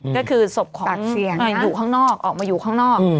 ก็คือศพของอยู่ข้างนอกออกมาอยู่ข้างนอก